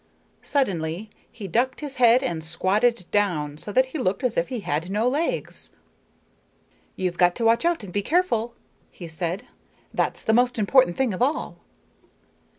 Suddenly he ducked his head and squatted down, so that he looked as if he had no legs. "You've got to watch out and be careful," he said. "That's the most important thing of all."